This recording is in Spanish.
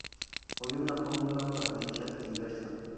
Hay una fórmula para dicha inversa.